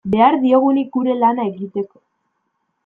Behar diogunik gure lana egiteko.